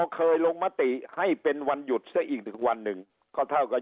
เคยลงมติให้เป็นวันหยุดซะอีกถึงวันหนึ่งก็เท่ากับ